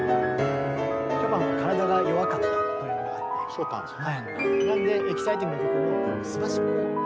そうなんです。